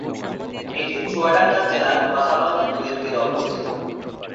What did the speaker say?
এটি চুয়াডাঙ্গা জেলার মাথাভাঙ্গা নদীর তীরে অবস্থিত।